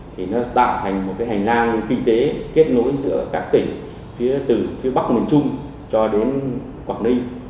thì nó tạo thành một cái hành lang kinh tế kết nối giữa các tỉnh phía từ phía bắc miền trung cho đến quảng ninh